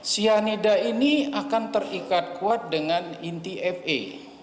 cyanida ini akan terikat kuat dengan inti fa